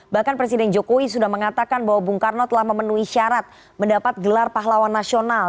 bahkan presiden jokowi sudah mengatakan bahwa bung karno telah memenuhi syarat mendapat gelar pahlawan nasional